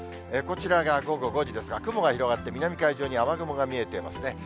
こちらが午後５時ですが、雲が広がって、南海上に雨雲が見えていますね。